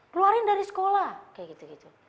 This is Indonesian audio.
keluarin dari sekolah kayak gitu gitu